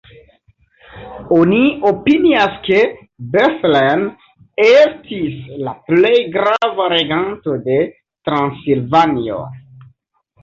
Oni opinias ke Bethlen estis la plej grava reganto de Transilvanio.